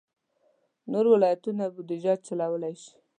نور ولایتونه بودجه چلولای شي.